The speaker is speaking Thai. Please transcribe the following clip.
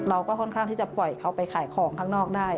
เราก็ค่อนข้างที่จะปล่อยเขาไปขายของข้างนอกได้